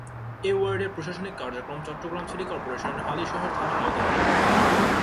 এ ওয়ার্ডের প্রশাসনিক কার্যক্রম চট্টগ্রাম সিটি কর্পোরেশনের হালিশহর থানার আওতাধীন।